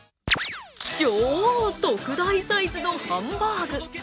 超特大サイズのハンバーグ。